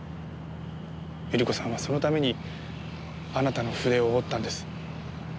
百合子さんはそのためにあなたの筆を折ったんです。